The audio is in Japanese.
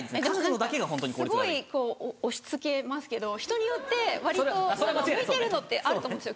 すごい押し付けますけど人によって割と向いてるのってあると思うんですよ。